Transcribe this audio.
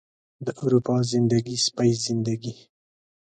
د اروپا زندګي، سپۍ زندګي